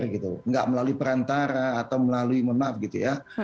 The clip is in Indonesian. tidak melalui perantara atau melalui maaf gitu ya